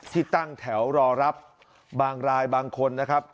ที่ตั้งแถวรอรับบางรายบางคนนะครับ